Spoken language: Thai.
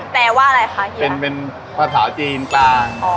แปลว่าอะไรคะเหี้ยเป็นเป็นภาษาจีนกลางอ๋อ